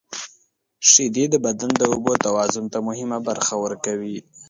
• شیدې د بدن د اوبو توازن ته مهمه برخه ورکوي.